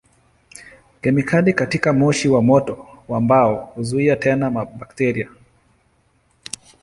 Kemikali katika moshi wa moto wa mbao huzuia tena bakteria.